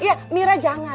iya mirah jangan